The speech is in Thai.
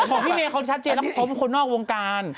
ของพี่เมย์เขาชัดเจนแล้วพร้อมคนนอกวงการ